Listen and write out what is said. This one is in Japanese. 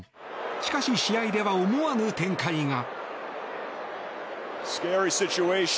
しかし、試合では思わぬ展開が。